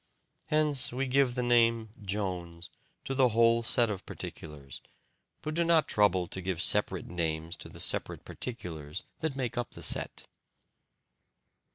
Hence we give the name "Jones" to the whole set of particulars, but do not trouble to give separate names to the separate particulars that make up the set.